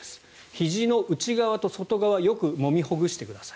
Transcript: ひじの内側と外側よくもみほぐしてください。